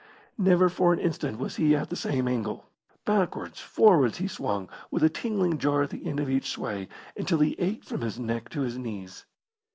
Never for an instant was he at the same angle. Backwards, forwards he swung, with a tingling jar at the end of each sway, until he ached from his neck to his knees.